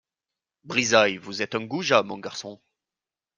Brizailles, vous êtes un goujat, mon garçon.